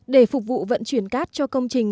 để phục vụ vận chuyển cát cho công trình